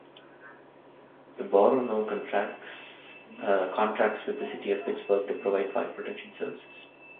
The borough now contracts with the City of Pittsburgh to provide fire protection services.